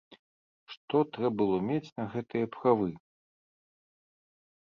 Што трэ было мець на гэтыя правы?